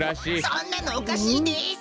そんなのおかしいです！